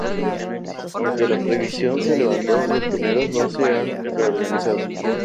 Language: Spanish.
Aunque esta prohibición se levantó, los Pioneros no se han reorganizado.